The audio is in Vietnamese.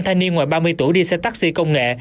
thanh niên ngoài ba mươi tuổi đi xe taxi công nghệ